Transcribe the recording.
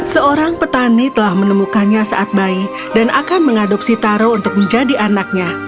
seorang petani telah menemukannya saat bayi dan akan mengadopsi taro untuk menjadi anaknya